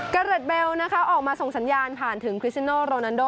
อเรดเบลนะคะออกมาส่งสัญญาณผ่านถึงคริสซิโนโรนันโด